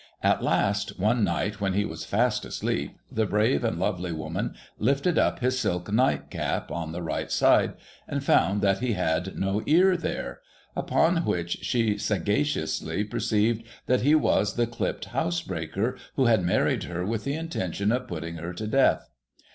At last, one night, when he was fast asleep, the brave and lovely woman lifted up his silk nightcap on the right side, and found that he had no ear there ; upon which she sagaciously perceived that he was the clii)i)ed housebreaker, who had married her with the intention of putting her to death.